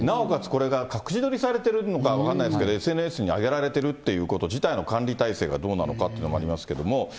これが隠し撮りされてるのか分からないですけど、ＳＮＳに上げられているということの管理体制がどうなのかっていうのもありますけど。